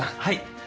はい。